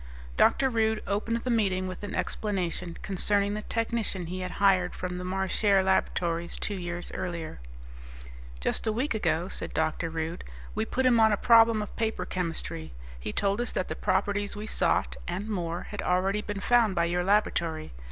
Dr. Rude opened the meeting with an explanation concerning the technician he had hired from the Marchare Laboratories two years earlier. "Just a week ago," said Dr. Rude, "we put him on a problem of paper chemistry. He told us that the properties we sought and more had already been found by your laboratory.